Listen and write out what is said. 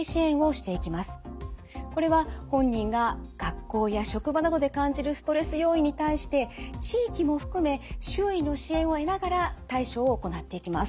これは本人が学校や職場などで感じるストレス要因に対して地域も含め周囲の支援を得ながら対処を行っていきます。